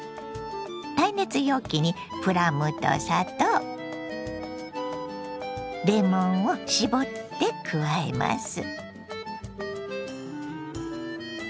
耐熱容器にプラムと砂糖レモンを搾って加えます。